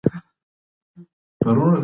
اووه نور فضايي جسمونه هم وموندل شول.